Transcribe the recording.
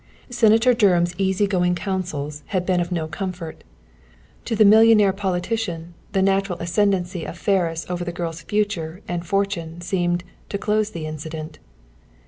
Senator Dunham's easy going counsels had been of no comfort. To the millionaire politician, the natural ascendancy of Ferris over the girl's future and fortune seemed "to close the incident."